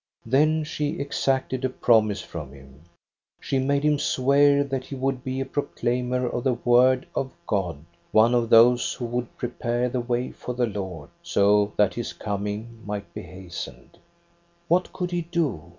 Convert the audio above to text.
Then she exacted a promise from him. She made him swear that he would be a proclaimer of the word of God; EBB A DOHNA'S STORY 22/ one of those who would prepare the way for the Lord, so that his coming might be hastened. "What could he do?